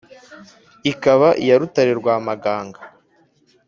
Ikaba iya Rutare rwa Muganga.